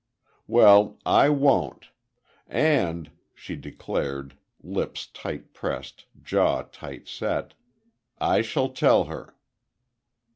"Well, I won't. And," she declared, lips tight pressed, jaw tight set, "I shall tell her."